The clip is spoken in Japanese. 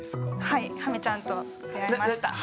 はいハミちゃんと出会いました。